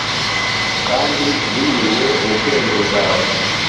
kandi binyuze mu bwenge bwawe